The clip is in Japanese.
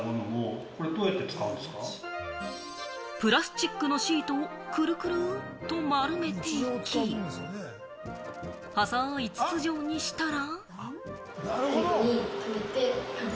プラスチックのシートをくるくるっと丸めていき、細い筒所にしたら。